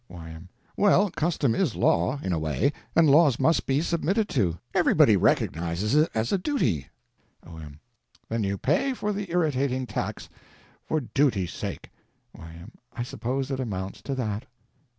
Y.M. Well, custom is law, in a way, and laws must be submitted to—everybody recognizes it as a duty. O.M. Then you pay for the irritating tax for duty's sake? Y.M. I suppose it amounts to that.